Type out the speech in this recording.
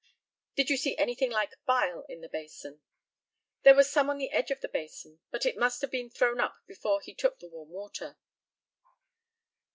Did you see anything like bile in the basin? There was some on the edge of the basin, but it must have been thrown up before he took the warm water.